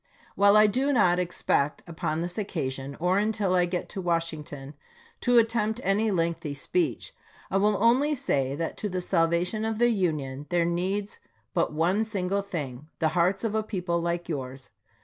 While I do not expect, upon this occasion, or until I get to Wash ington, to attempt any lengthy speech, I will only say that to the salvation of the Union there needs but one single thing, the hearts of a people like yours.